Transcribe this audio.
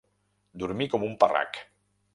Dormir com un parrac.